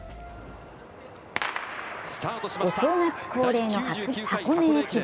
お正月恒例の箱根駅伝。